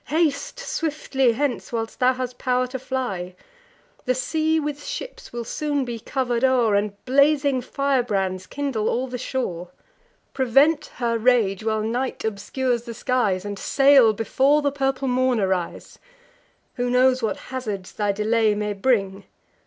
Haste swiftly hence, while thou hast pow'r to fly. The sea with ships will soon be cover'd o'er, And blazing firebrands kindle all the shore. Prevent her rage, while night obscures the skies, And sail before the purple morn arise. Who knows what hazards thy delay may bring?